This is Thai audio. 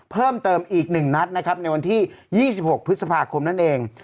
เพิ่มเติมอีก๑นัดนะครับในวันที่๒๖พฤษภาคมนั่นเอง